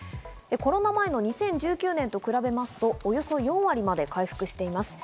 コロナ前の２０１９年と比べますと、およそ４割まで回復しています。